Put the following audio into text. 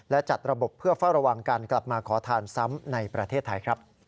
และจัดระบบเพื่อเฝ้าระวังการกลับมาขอทานซ้ำในประเทศไทยครับ